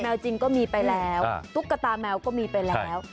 จริงก็มีไปแล้วตุ๊กตาแมวก็มีไปแล้ว